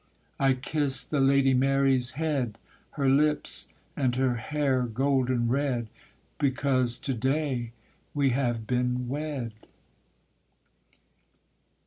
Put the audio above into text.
I kiss the Lady Mary's head, Her lips, and her hair golden red, Because to day we have been wed.